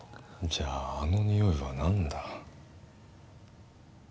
じゃああの匂いは何だ？